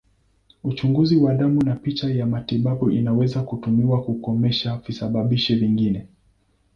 Uchunguzi wa damu na picha ya matibabu inaweza kutumiwa kukomesha visababishi vingine.